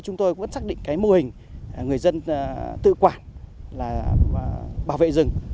chúng tôi cũng xác định mô hình người dân tự quản bảo vệ rừng